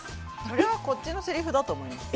それはこっちのセリフだと思います。